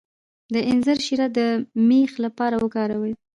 د انځر شیره د میخ لپاره وکاروئ